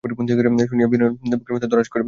শুনিয়া বিনয়ের বুকের মধ্যে ধড়াস করিয়া উঠিল।